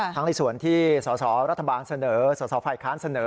ทั้งในส่วนที่สรเสนอสฝเสนอ